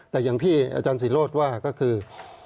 แต่อย่างที่อาจารย์ศิโรธว่าก็คือ